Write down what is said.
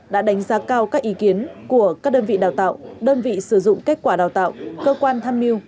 đã đánh giá cao các ý kiến của các đơn vị đào tạo đơn vị sử dụng kết quả đào tạo cơ quan tham mưu